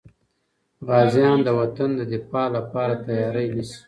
غازیان د وطن د دفاع لپاره تیاري نیسي.